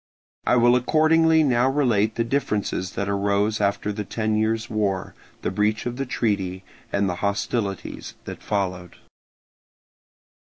I will accordingly now relate the differences that arose after the ten years' war, the breach of the treaty, and the hostilities that followed.